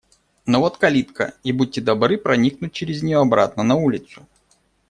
Но вот калитка. И будьте добры проникнуть через нее обратно на улицу.